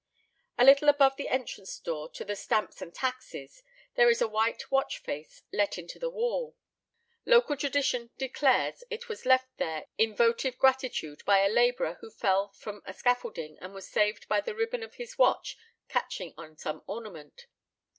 A little above the entrance door to "the Stamps and Taxes" there is a white watch face let into the wall. Local tradition declares it was left there in votive gratitude by a labourer who fell from a scaffolding and was saved by the ribbon of his watch catching in some ornament.